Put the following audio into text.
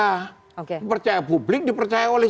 dipercaya publik dipercaya oleh